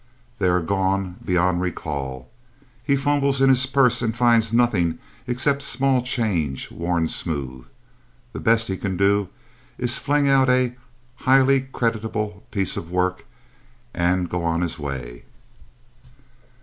They are gone beyond recall. He fumbles in his purse and finds nothing except small change worn smooth. The best he can do is to fling out a "highly creditable piece of work" and go on his way.